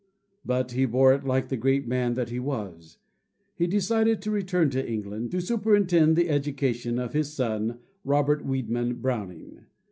But he bore it like the great man that he was. He decided to return to England to superintend the education of his son, Robert Wiedeman Browning.